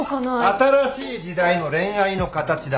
新しい時代の恋愛の形だよ。